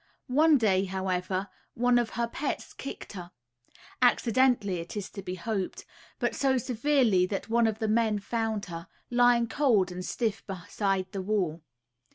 One day, however, one of her pets kicked her, accidentally it is to be hoped, but so severely that one of the men found her, lying cold and stiff beside the wall.